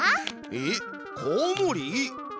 えっコウモリ？